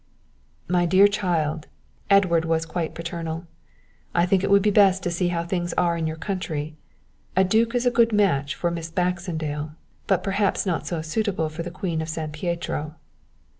"My dear child" Edward was quite paternal "I think it would be best to see how things are in your country. A duke is a good match for Miss Baxendale but perhaps not so suitable for the Queen of San Pietro."